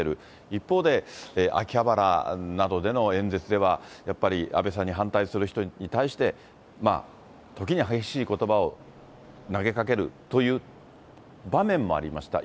一方で秋葉原などでの演説では、やっぱり安倍さんに反対する人に対して、ときに激しいことばを投げかけるという場面もありました。